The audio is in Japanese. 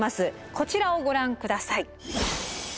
こちらをご覧下さい。